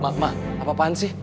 mak mak apa apaan sih